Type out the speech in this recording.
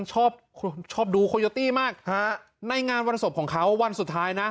ชอบชอบดูโคโยตี้มากฮะในงานวันศพของเขาวันสุดท้ายนะ